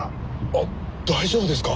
あっ大丈夫ですか？